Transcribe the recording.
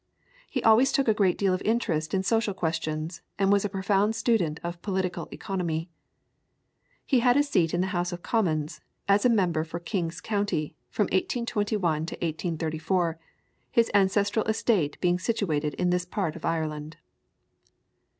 He always took a great deal of interest in social questions, and was a profound student of political economy. He had a seat in the House of Commons, as member for King's County, from 1821 to 1834, his ancestral estate being situated in this part of Ireland.